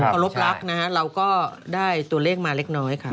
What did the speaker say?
รบรักนะฮะเราก็ได้ตัวเลขมาเล็กน้อยค่ะ